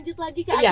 terima kasih banyak